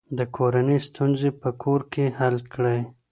د کورنۍ ستونزې په کور کې حل کړئ.